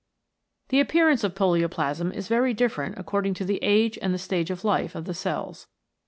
The appearance of polioplasm is very different according to the age and the stage of life of the cells.